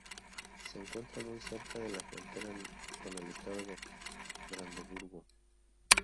Se encuentra muy cerca de la frontera con el estado de Brandeburgo.